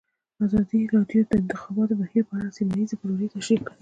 ازادي راډیو د د انتخاباتو بهیر په اړه سیمه ییزې پروژې تشریح کړې.